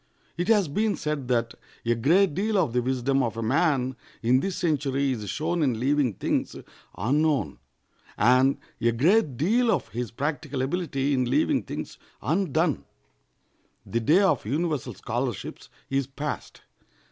It has been said that a great deal of the wisdom of a man in this century is shown in leaving things unknown, and a great deal of his practical ability in leaving things undone. The day of universal scholarships is past.